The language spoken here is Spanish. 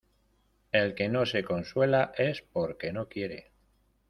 El que no se consuela es por que no quiere.